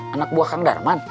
anak buah kang darman